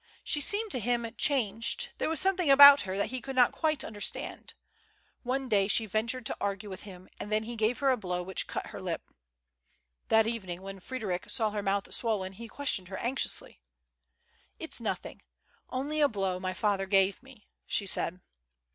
She seemed to him changed, there was something about her that he could not quite understand. One day she ventured to argue with him, and then he gave her a blow which cut her lip. That evening, when Frederic saw her mouth swollen he questioned her anxiously. "It's nothing; only a blow my father gave me," she said.